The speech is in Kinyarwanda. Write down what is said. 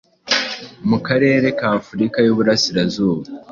mukarere ka Afurika y’Uburasirazuba